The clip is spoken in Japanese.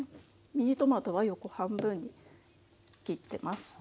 ミニトマトは横半分に切ってます。